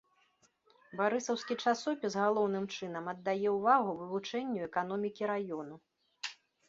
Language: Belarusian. Барысаўскі часопіс галоўным чынам аддае ўвагу вывучэнню эканомікі раёну.